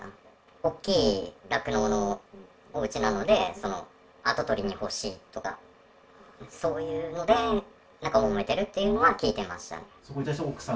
おっきい酪農のおうちなので、跡取りに欲しいとか、そういうのでなんか、もめてるっていうのは聞いてましたね。